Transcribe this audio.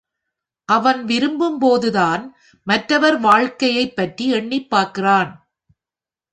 அவன் விரும்பும் போது தான் மற்றவர் வாழ்க்கையைப் பற்றி எண்ணிப் பார்க்கிறான்.